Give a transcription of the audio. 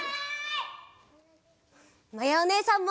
まやおねえさんも。